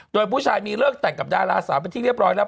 โดยผู้ชายมีเลิกแต่งกับดาราสาวเป็นที่เรียบร้อยแล้ว